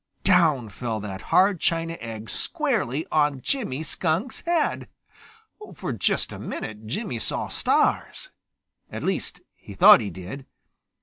Down fell that hard china egg squarely on Jimmy Skunk's head. For just a minute Jimmy saw stars. At least, he thought he did.